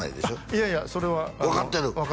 いやいやそれは分かってる？